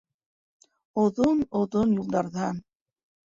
Оҙон-оҙон юлдарҙан